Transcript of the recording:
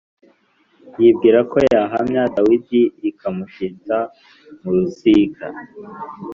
yibwira ko yahamya Dawidi rikamushita mu rusika.